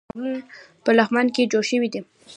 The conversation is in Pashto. د کبانو روزنې فارمونه په لغمان کې جوړ شوي دي.